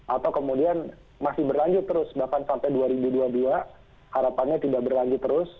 atau kemudian masih berlanjut terus bahkan sampai dua ribu dua puluh dua harapannya tidak berlanjut terus